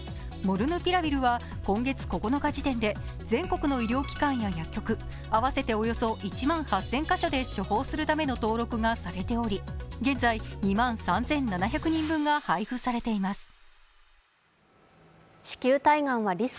モルヌピラビルは今月９日時点で全国の医療機関や薬局、合わせておよそ１万８０００カ所で処方するための登録がされており、現在、２万３７００人分が配布されています。